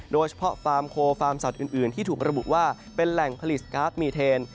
โดยเฉพาะฟาร์มโคลฟาร์มสัตว์อื่นที่ถูกระบุว่าเป็นแหล่งผลิตก๊าซมีเทน